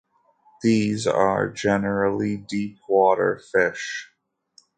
These are generally deepwater fish.